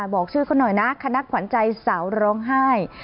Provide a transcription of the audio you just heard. บอกชื่อเขาหน่อยนะคณะขวัญใจสาวร้องไห้